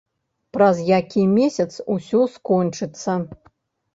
Праз які месяц усё скончыцца.